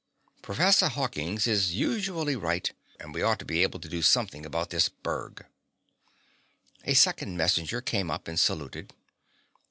Professor Hawkins is usually right, and we ought to be able to do something about this berg." A second messenger came up and saluted.